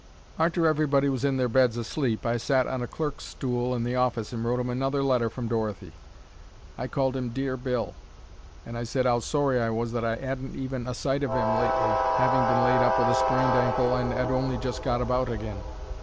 Arter everybody was in their beds asleep I sat on a clerk's stool in the office and wrote 'im another letter from Dorothy. I called 'im "Dear Bill," and I said 'ow sorry I was that I 'adn't had even a sight of 'im lately, having been laid up with a sprained ankle and 'ad only just got about agin.